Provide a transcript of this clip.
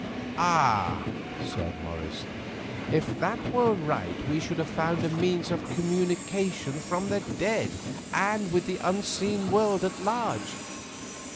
"Ah!" said Morris, "if that were right we should have found a means of communication from the dead and with the unseen world at large."